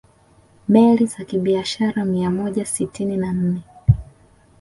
Meli za kibiashara mia moja sitini na nne